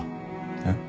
えっ？